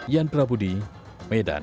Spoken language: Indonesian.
yan prabudi medan